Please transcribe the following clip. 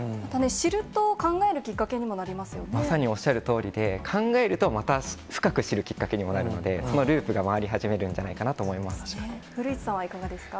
知ると、考えるきっかけにもまさにおっしゃるとおりで、考えると、また深く知るきっかけにもなるので、そのループが回り古市さんはいかがですか。